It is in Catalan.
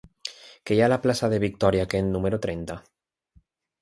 Què hi ha a la plaça de Victòria Kent número trenta?